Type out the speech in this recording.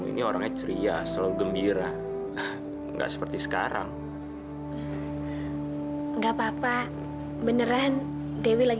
pandai pandai orangnya cerias selalu gembira nggak seperti sekarang gapapa beneran dewi lagi